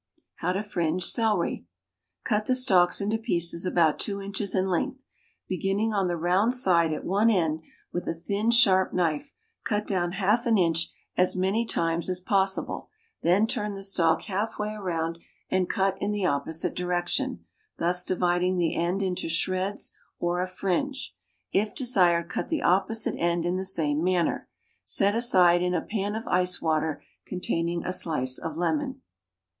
=How to Fringe Celery.= Cut the stalks into pieces about two inches in length. Beginning on the round side at one end, with a thin, sharp knife, cut down half an inch as many times as possible; then turn the stalk half way around and cut in the opposite direction, thus dividing the end into shreds, or a fringe. If desired, cut the opposite end in the same manner. Set aside in a pan of ice water containing a slice of lemon.